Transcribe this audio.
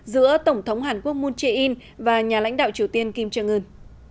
giữa tổng thống hàn quốc moon jae in và nhà lãnh đạo triều tiên kim jong un